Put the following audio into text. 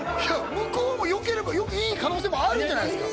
向こうもよければいい可能性もあるじゃないですか